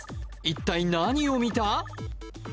一体何を見た？